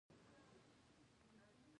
احمد په دیني علم کې ډېره لوړه مرتبه لري.